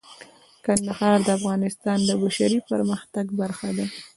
کندهار د افغانستان د بشري فرهنګ برخه ده.